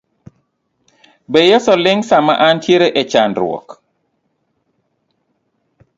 Be Yeso ling sama antiere e chandruok.